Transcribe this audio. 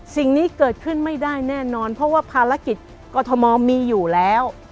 สิ่งนี้เกิดขึ้นไม่ได้แน่นอนเพราะว่าภารกิจกรทมมีอยู่แล้ว